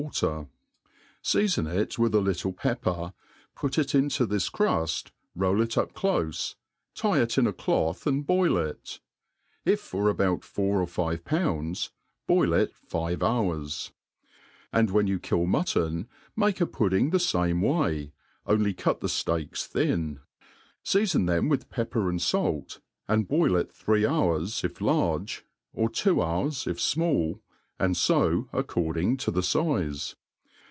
151 water; feafon it with a little pepper, put it into • this cruft, roll it up clof^y tie it in a cidth, and boil it$ if for about four or five pounds, botl it five hours* And when you kill mutton, make a pudding the fame way, only cut the (leaks thin ; feafon them with^ pepper and falt^ and boil it three hours, if large ; or two hours, if fmall, and fo according to the fize.